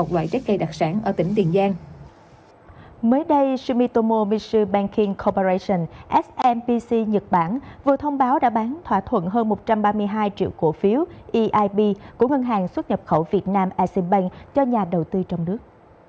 việt nam asean bank cho nhà đầu tư trong nước